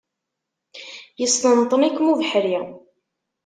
Yesṭenṭen-ikem ubeḥri.